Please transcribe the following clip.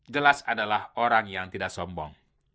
gelas adalah orang yang tidak sombong